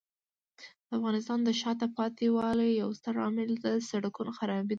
د افغانستان د شاته پاتې والي یو ستر عامل د سړکونو خرابۍ دی.